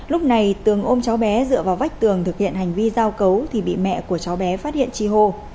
lúc này tường ôm cháu bé dựa vào vách tường thực hiện hành vi giao cấu thì bị mẹ của cháu bé phát hiện chi hô